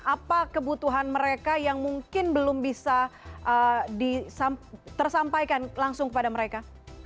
apa kebutuhan mereka yang mungkin belum bisa tersampaikan langsung kepada mereka